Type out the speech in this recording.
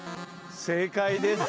正解です。